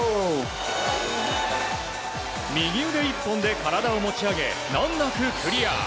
右腕一本で体を持ち上げ、難なくクリア。